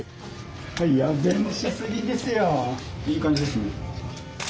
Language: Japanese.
いい感じですね。